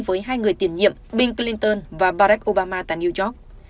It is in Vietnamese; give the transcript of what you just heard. với hai người tiền nhiệm bill clinton và barack obama tại new york